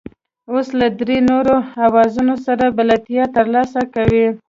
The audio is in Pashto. اوس له درې نورو اوزارونو سره بلدیتیا ترلاسه کوئ.